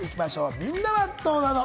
みんなはどうなの？